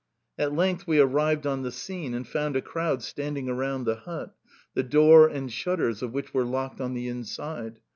At length we arrived on the scene and found a crowd standing around the hut, the door and shutters of which were locked on the inside.